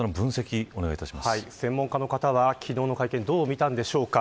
専門家の方は、昨日の会見をどう見たのでしょうか。